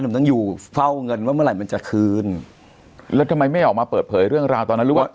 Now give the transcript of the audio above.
ต้องอยู่เฝ้าเงินว่าเมื่อไหร่มันจะคืนแล้วทำไมไม่ออกมาเปิดเผยเรื่องราวตอนนั้นหรือว่า